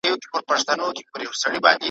وايی چي نه کار په هغه څه کار `